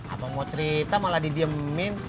apa mau cerita malah didiemin